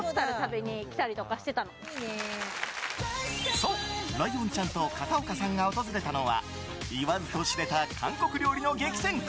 そう、ライオンちゃんと片岡さんが訪れたのは言わずと知れた韓国料理の激戦区